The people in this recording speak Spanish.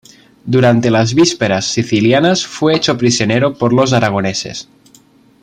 Durante las vísperas sicilianas fue hecho prisionero por los aragoneses.